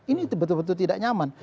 ini betul betul tidak nyaman